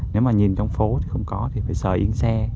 nếu mà nhìn trong phố thì không có thì phải sợ ý xe